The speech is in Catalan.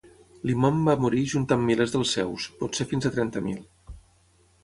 L'imam va morir junt amb milers dels seus, potser fins a trenta mil.